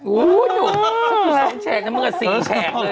คุณก็จะอยู่๒แชกน่ะเมื่อก้าว๔แชกเลย